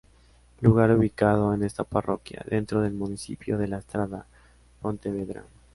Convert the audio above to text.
Lugar ubicado en esta parroquia, dentro del municipio de La Estrada, Pontevedra.